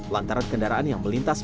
lantaran kendaraan yang melintas